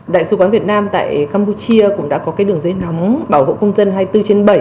đại sứ quán việt nam tại campuchia cũng đã có cái đường dây nóng bảo hộ công dân hai mươi bốn trên bảy